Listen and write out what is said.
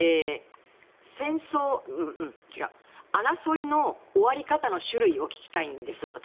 争いの終わり方の種類を聞きたいんです、私。